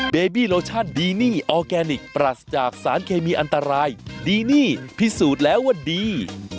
เบบี้โลชั่นดีนี่ออร์แกนิคปรัสจากสารเคมีอันตรายดีนี่พิสูจน์แล้วว่าดี